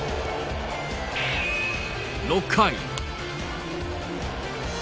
６回。